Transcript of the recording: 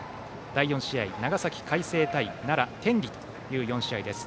第４試合長崎・海星対奈良・天理という４試合です。